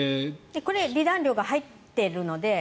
これ離檀料が入ってるので。